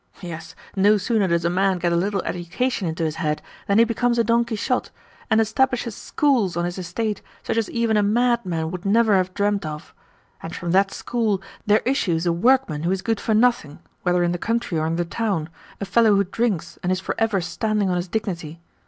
Yes, no sooner does a man get a little education into his head than he becomes a Don Quixote, and establishes schools on his estate such as even a madman would never have dreamed of. And from that school there issues a workman who is good for nothing, whether in the country or in the town a fellow who drinks and is for ever standing on his dignity.